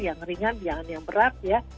yang ringan yang berat ya